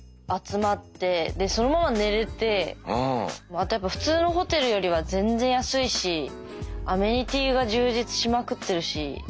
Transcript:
あとやっぱ普通のホテルよりは全然安いしアメニティーが充実しまくってるし。